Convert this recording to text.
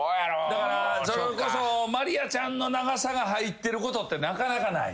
だからそれこそまりあちゃんの長さが入ってることってなかなかない。